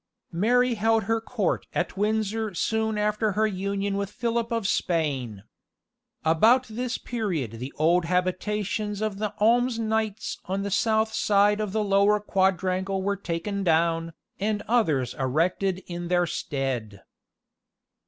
Mary held her court at Windsor soon after her union with Philip of Spain. About this period the old habitations of the alms knights on the south side of the lower quadrangle were taken down, and others erected in their stead.